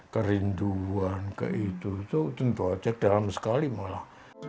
kerinduan ke itu tentu saja dalam sekali malah